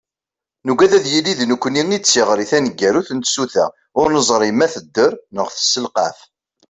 Nugad ad yili d nekkni i d tiɣri taneggarut n tsuta ur neẓri ma tedder neɣ tesselqaf.